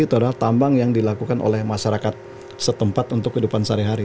itu adalah tambang yang dilakukan oleh masyarakat setempat untuk kehidupan sehari hari